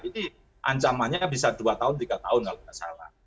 ini ancamannya bisa dua tahun tiga tahun kalau tidak salah